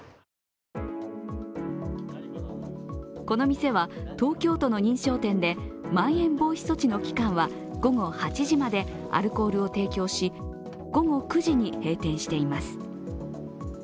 この店は東京都の認証店でまん延防止措置の期間は午後８時までアルコール提供し、午後９時に閉店しています。